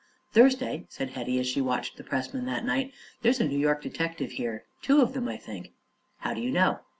"Thursday," said Hetty, as she watched the pressman that night, "there's a New York detective here two of them, I think." "How do you know?"